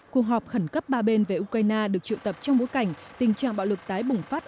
cuộc họp khẩn cấp ba bên về ukraine được triệu tập trong bối cảnh tình trạng bạo lực tái bùng phát